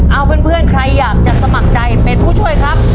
เอาเพื่อนใครอยากจะสมัครใจเป็นผู้ช่วยครับ